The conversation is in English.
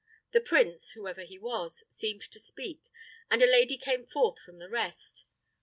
The prince, whoever he was, seemed to speak, and a lady came forth from the rest.